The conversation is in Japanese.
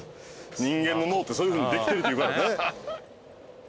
人間の脳ってそういうふうにできてるっていうからね。